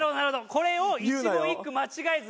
これを一語一句間違えずにね。